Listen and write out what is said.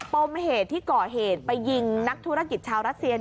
ปมเหตุที่ก่อเหตุไปยิงนักธุรกิจชาวรัสเซีย